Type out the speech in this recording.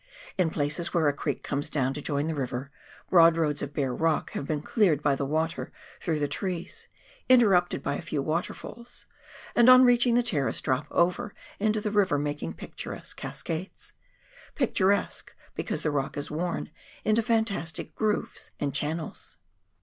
In places where a creek comes down to join the river, broad roads of bare rock have been cleared by the water through the trees, interrupted by a few waterfalls, and, on reaching the terrace, drop over into the river making picturesque cascades — picturesque be cause the rock is worn into fantastic grooves and channels.